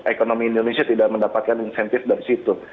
ekonomi indonesia tidak mendapatkan insentif dari situ